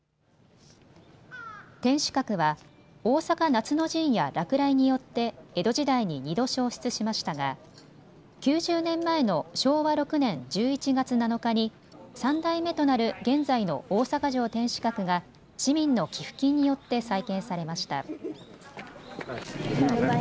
天守閣は大坂夏の陣や落雷によって江戸時代に２度焼失しましたが９０年前の昭和６年１１月７日に３代目となる現在の大阪城天守閣が市民の寄付金によって再建されました。